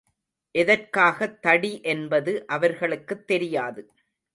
எதற்காகத் தடி என்பது அவர்களுக்குத் தெரியாது.